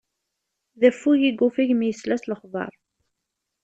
D affug i yuffeg mi yesla s lexbaṛ.